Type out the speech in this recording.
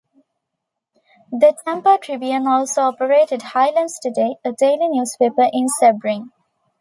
"The Tampa Tribune" also operated "Highlands Today", a daily newspaper in Sebring.